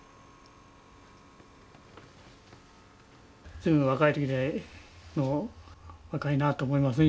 随分若い時で若いなあと思いますね